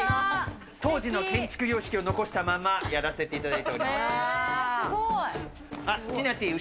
当時の建築様式を残したまま、やらせていただいています。